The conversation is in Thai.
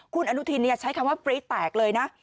คุณอนุทินใช้คำว่าปรี๊แตกเลยนะ